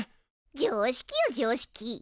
常識よ常識。